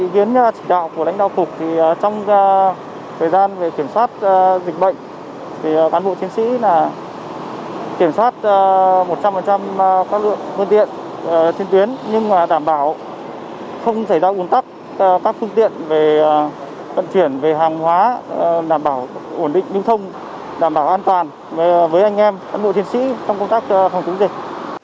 điều hành phân luồng giao thông bảo đảm bảo an toàn với anh em phân bộ chiến sĩ trong công tác phòng chống dịch